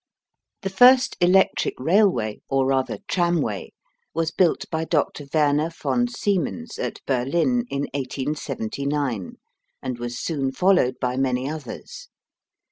The first electric railway, or, rather, tramway, was built by Dr. Werner von Siemens at Berlin in 1879, and was soon followed by many others.